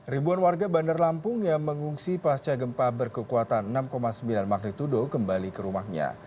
ribuan warga bandar lampung yang mengungsi pasca gempa berkekuatan enam sembilan magnitudo kembali ke rumahnya